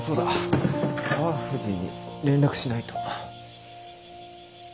川藤に連絡しないと。